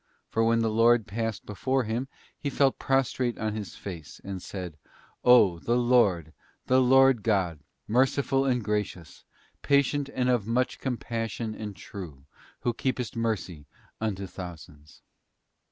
For when the Lord passed before him he fell pro strate on his face, and said, 'O the Lord, the Lord God, merciful and gracious, patient and of much compassion and true, Who keepest mercy unto thousands!